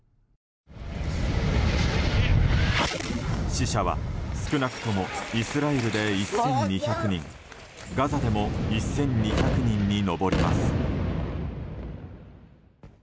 死者は少なくともイスラエルで１２００人ガザでも１２００人に上ります。